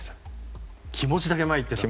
気持ちだけ前行ってたと。